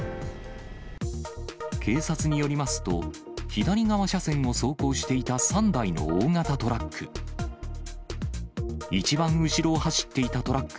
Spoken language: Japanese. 警察によりますと、左側車線を走行していた３台の大型トラック。